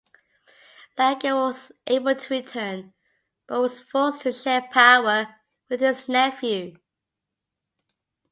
Iago was able to return, but was forced to share power with his nephew.